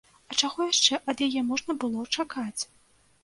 А чаго яшчэ ад яе можна было чакаць?